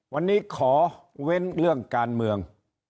วันนี้ขอเว้นเรื่องการเมือง